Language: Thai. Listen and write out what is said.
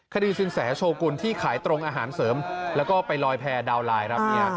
คดีสินแสโชคุณที่ขายตรงอาหารเสริมแล้วก็ไปลอยแพร่ดาวน์ไลน์